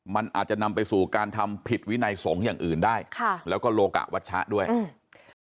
มันอาจจะนำไปสู่การทำผิดวินัยสงฆ์อย่างอื่นได้ค่ะแล้วก็โลกะวัชชะด้วยอืม